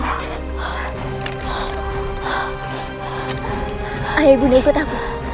ayah ibunya ikut aku